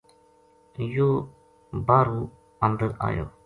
یوہ باہرُو اندر آیو